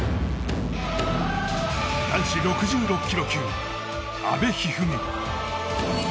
男子６６ｋｇ級、阿部一二三。